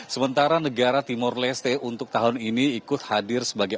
sementara negara timur leste untuk tahun ini ikut hadir sebagai